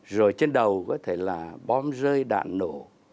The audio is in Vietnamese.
rồi trên đầu có thể là bom rơi đạn nổ